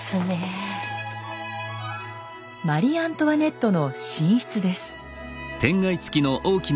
マリ・アントワネットの寝室です。